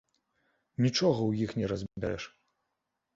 Нічога ў іх не разбярэш.